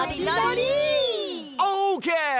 オーケー！